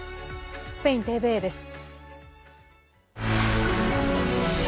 スペインＴＶＥです。